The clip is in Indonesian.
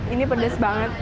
ini pedas sekali